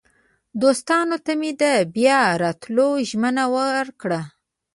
دوستانو ته مې د بیا راتلو ژمنه وکړه.